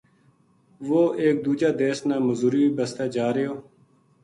وہ ایک دوجا دیس نا مزوری بسطے جا رہیو